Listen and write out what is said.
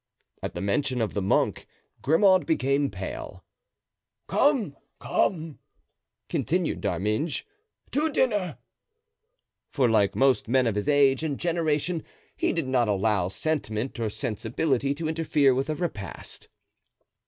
At the mention of the monk, Grimaud became pale. "Come, come," continued D'Arminges, "to dinner;" for like most men of his age and generation he did not allow sentiment or sensibility to interfere with a repast.